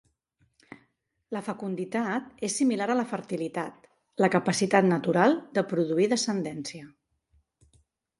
La fecunditat és similar a la fertilitat, la capacitat natural de produir descendència.